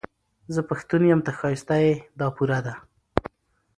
زه پښتون يم، ته ښايسته يې، دا پوره ده